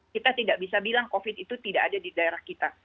kita tidak bisa bilang covid itu tidak ada di daerah kita